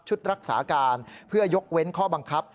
รักษาการเพื่อยกเว้นข้อบังคับ